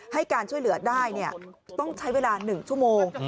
ให้การช่วยเหลือได้ต้องใช้เวลา๑ชั่วโมง